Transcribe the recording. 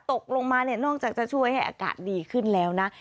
ตกลงมาเนี่ยนอกจากจะช่วยให้อากาศดีขึ้นแล้วนะ